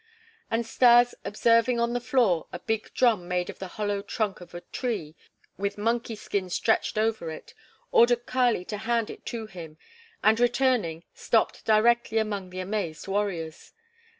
And Stas, observing on the floor a big drum made of the hollowed trunk of a tree with monkey skin stretched over it, ordered Kali to hand it to him and, returning, stopped directly among the amazed warriors.